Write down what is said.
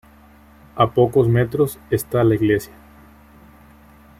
A pocos metros está la iglesia.